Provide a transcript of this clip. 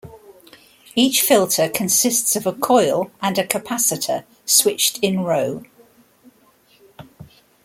Each filter consists of a coil and a capacitor switched in row.